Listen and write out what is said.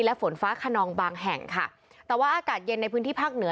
และฝนฟ้าขนองบางแห่งค่ะแต่ว่าอากาศเย็นในพื้นที่ภาคเหนือ